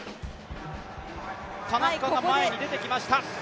田中が前に出てきました。